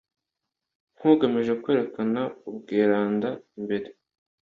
nkugamije kwerekana Ubweranda imbere